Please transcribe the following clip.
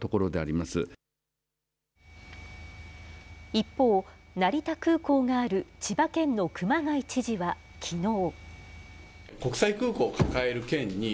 一方、成田空港がある千葉県の熊谷知事はきのう。